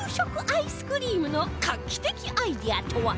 アイスクリームの画期的アイデアとは？